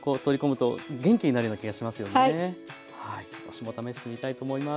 私も試してみたいと思います。